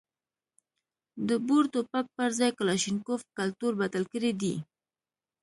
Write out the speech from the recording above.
د بور ټوپک پر ځای کلاشینکوف کلتور بدل کړی دی.